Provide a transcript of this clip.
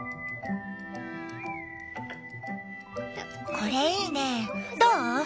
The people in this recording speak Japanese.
これいいねどう？